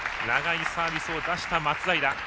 長いサービスを出した松平。